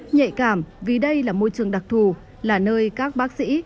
nhạy cảm vì đây là môi trường đặc thù là nơi các bác sĩ